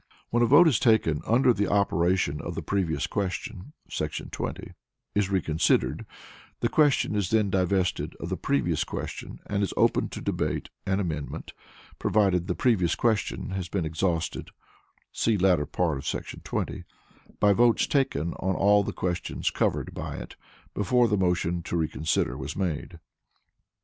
When a vote taken under the operation of the previous question [§ 20] is reconsidered, the question is then divested of the previous question, and is open to debate and amendment, provided the previous question had been exhausted [see latter part of § 20] by votes taken on all the questions covered by it, before the motion to reconsider was made.